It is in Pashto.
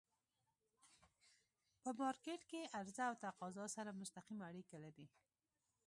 په مارکيټ کی عرضه او تقاضا سره مستقیمه اړیکه لري.